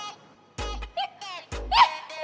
gue gak mau